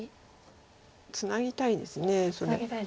ツナぎたいですそれ。